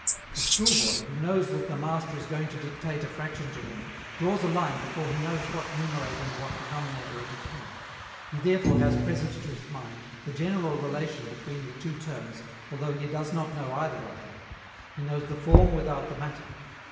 The schoolboy, who knows that the master is going to dictate a fraction to him, draws a line before he knows what numerator and what denominator are to come; he therefore has present to his mind the general relation between the two terms although he does not know either of them; he knows the form without the matter.